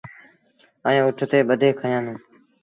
ائيٚݩ اُٺ تي ٻڌي کيآندون۔